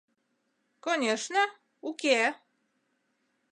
— Конешне, уке.